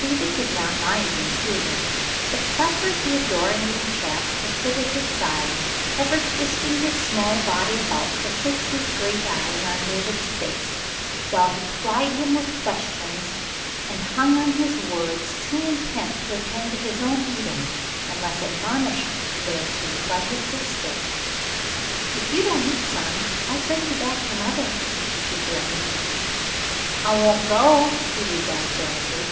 David did not mind the intrusion, but suffered the adoring little chap to sit at his side, ever twisting his small body about to fix his great eyes on David's face, while he plied him with questions and hung on his words too intent to attend to his own eating unless admonished thereto by his sister. "If you don't eat, son, I'll send you back to mother," she threatened. "I won't go," he rebelled joyously.